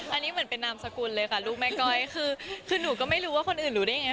อันนี้เหมือนเป็นนามสกุลเลยค่ะลูกแม่ก้อยคือคือหนูก็ไม่รู้ว่าคนอื่นรู้ได้ยังไง